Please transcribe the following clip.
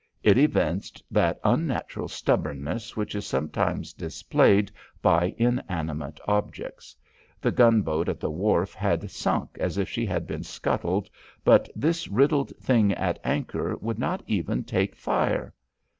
It evinced that unnatural stubbornness which is sometimes displayed by inanimate objects. The gunboat at the wharf had sunk as if she had been scuttled but this riddled thing at anchor would not even take fire.